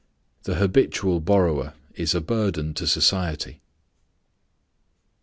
The habitual borrower is a burden to society.